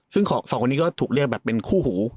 ซึ่งสองคนนี้ก็ถูกเรียกแบบเป็นคู่หู